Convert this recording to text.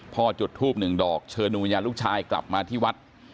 จุดทูบหนึ่งดอกเชิญดวงวิญญาณลูกชายกลับมาที่วัด